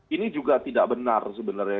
ini juga tidak benar sebenarnya